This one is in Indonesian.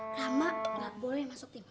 lama gak boleh masuk tim oke